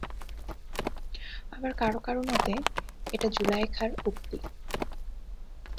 আবার কারো কারো মতে, এটা যুলায়খার উক্তি।